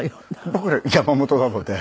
僕ら山本なので。